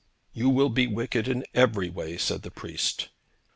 'You will be wicked in every way,' said the priest.